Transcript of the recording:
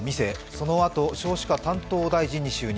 そのあと少子化担当大臣に就任。